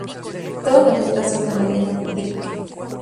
Todas las letras son de Maria Brink.